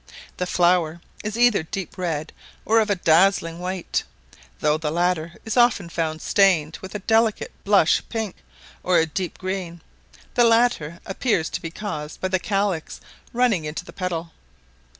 The flower is either deep red, or of a dazzling white, though the latter is often found stained with a delicate blush pink, or a deep green; the latter appears to be caused by the calix running into the petal.